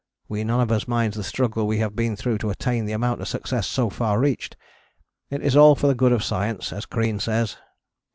We none of us minds the struggle we have been through to attain the amount of success so far reached. It is all for the good of science, as Crean says.